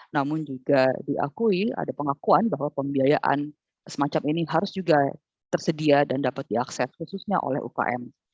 namun juga diakui ada pengakuan bahwa pembiayaan semacam ini harus juga tersedia dan dapat diakses khususnya oleh ukm